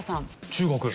中国。